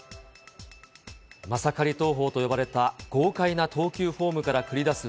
マサカリ投法と呼ばれた豪快な投球フォームから繰り出す